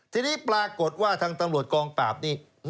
ทีนี้ปรากฏว่าทางตำรวจกองปราบนี้